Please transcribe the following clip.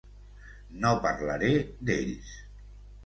No parlaré d'ells.